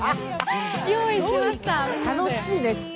楽しいね。